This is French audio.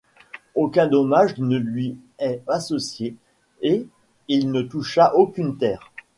Aucun dommage ne lui est associé et il ne toucha aucune terre.